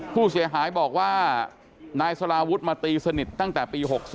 ผู้เสียหายบอกว่านายสลาวุฒิมาตีสนิทตั้งแต่ปี๖๒